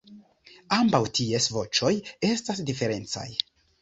Ambaŭ ties voĉoj estas diferencaj.